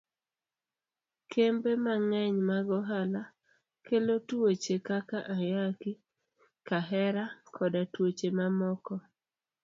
Kembe mang'eny mag ohala kelo tuoche kaka ayaki, kahera, koda tuoche ma moko.